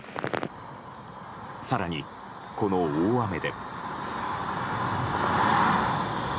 更に、この大雨で。